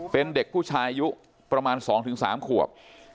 เป็นเด็กผู้ชายุประมาณสองถึงสามขวบ